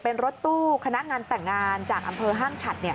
เป็นรถตู้คณะงานแต่งงานจากอำเภอห้างฉัด